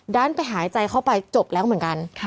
ดันไปหายใจเข้าไปจบแล้วเหมือนกัน